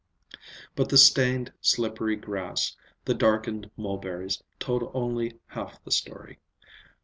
But the stained, slippery grass, the darkened mulberries, told only half the story.